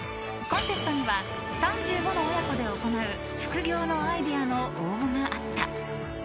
コンテストには３５の親子で行う副業のアイデアの応募があった。